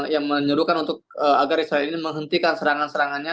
yang menyuruhkan untuk agar israel ini menghentikan serangan serangannya